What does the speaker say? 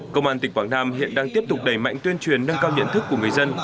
công an tỉnh quảng nam hiện đang tiếp tục đẩy mạnh tuyên truyền nâng cao nhận thức của người dân